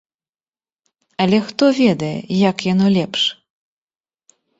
Але хто ведае, як яно лепш?